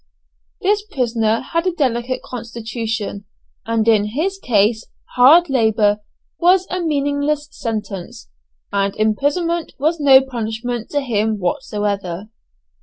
This prisoner had a delicate constitution, and in his case "hard labour" was a meaningless sentence, and imprisonment was no punishment to him whatever.